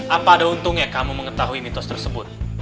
apa ada untungnya kamu mengetahui mitos tersebut